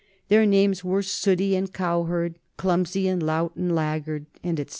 Their names were Sooty and Cowherd, Clumsy and Lout and Laggard, etc.